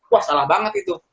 wah salah banget itu